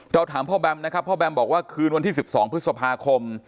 ถามพ่อแบมนะครับพ่อแบมบอกว่าคืนวันที่๑๒พฤษภาคม